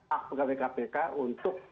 akte kwkpk untuk